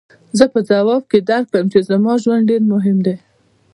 زه به ځواب درکړم چې زما ژوند ډېر مهم دی.